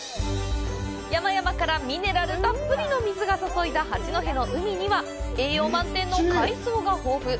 山々からミネラルたっぷりの水が注いだ八戸の海には、栄養満点の海藻が豊富。